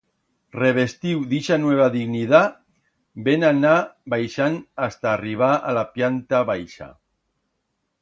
Revestiu d'ixa nueva dignidat, vem anar baixand hasta arribar a la pllanta baixa.